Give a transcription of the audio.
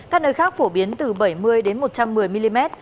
các nơi khác phổ biến từ bảy mươi đến một trăm một mươi mm